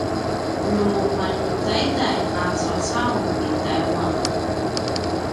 nu maljutaiday a caucau i taiwan